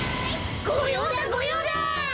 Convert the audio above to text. ごようだごようだ！